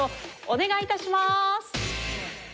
お願いいたします！